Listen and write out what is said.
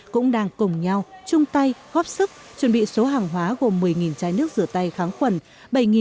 cũng đang cùng nhau chung tay góp sức chuẩn bị số hàng hóa gồm một mươi chai nước rửa tay kháng khuẩn